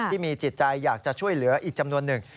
ที่มีจิตใจอยากจะช่วยเหลืออีกจำนวนหนึ่ง